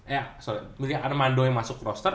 eh sorry milih armando yang masuk roster